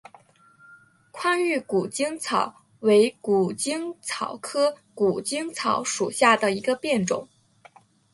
宽玉谷精草为谷精草科谷精草属下的一个变种。